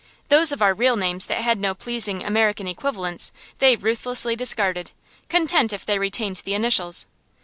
Those of our real names that had no pleasing American equivalents they ruthlessly discarded, content if they retained the initials.